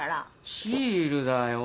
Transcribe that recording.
シールだよ。